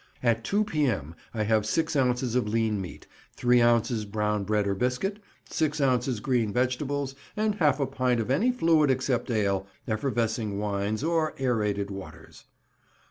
At 2 P.M.—I have six ounces lean meat, three ounces brown bread or biscuit, six ounces green vegetables, and half a pint of any fluid except ale, effervescing wines, or aërated waters.